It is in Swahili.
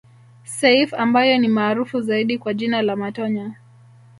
Seif ambaye ni maarufu zaidi kwa jina la Matonya